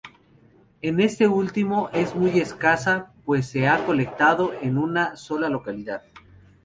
En este último es muy escasa, pues se ha colectado en una sola localidad.